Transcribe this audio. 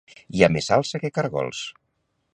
Hi ha més salsa que cargols